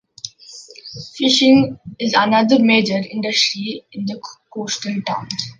Fishing is another major industry in the coastal towns.